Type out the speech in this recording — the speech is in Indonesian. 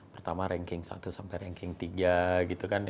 pertama ranking i sampai ranking iii gitu kan